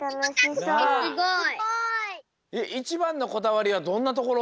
いちばんのこだわりはどんなところ？